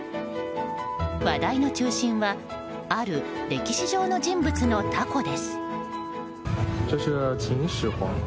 話題の中心はある歴史上の人物のたこです。